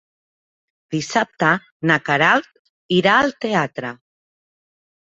Dissabte na Queralt irà al teatre.